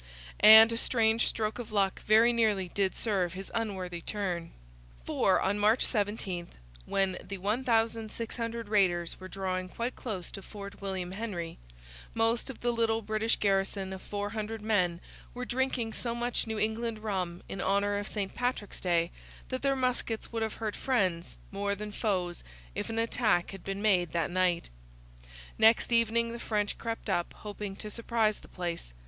And a strange stroke of luck very nearly did serve his unworthy turn. For, on March 17, when the 1,600 raiders were drawing quite close to Fort William Henry, most of the little British garrison of 400 men were drinking so much New England rum in honour of St Patrick's Day that their muskets would have hurt friends more than foes if an attack had been made that night. Next evening the French crept up, hoping to surprise the place.